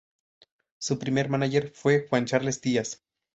Su primer mánager fue Juan Charles Díaz.